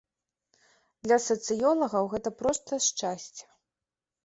Для сацыёлагаў гэта проста шчасце.